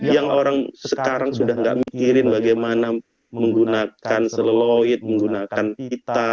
yang orang sekarang sudah tidak mikirin bagaimana menggunakan seleloid menggunakan kita